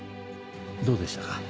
どうでしたか？